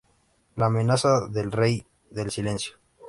La amenaza del Rey del Silencio".